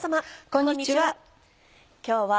こんにちは。